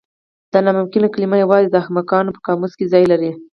د ناممکن کلمه یوازې د احمقانو په قاموس کې ځای لري.